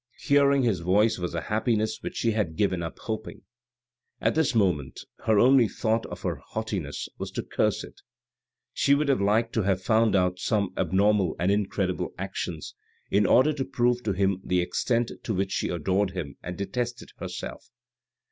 Hearing his voice was a happiness which she had given up hoping. At this moment her only thought of her haughtiness was to curse it. She would have liked to have found out some abnormal and incredible actions, in order to prove to him the extent to which she adored him and detested herself.